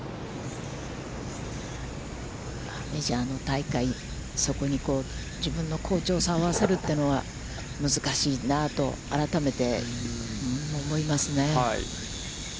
メジャーの大会、そこに自分の好調さを合わせるというのは、難しいなと、改めて思いますね。